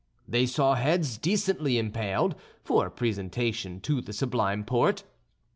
They saw heads decently impaled for presentation to the Sublime Porte.